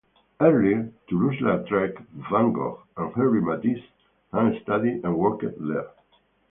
Earlier, Toulouse-Lautrec, van Gogh, and Henri Matisse had studied and worked there.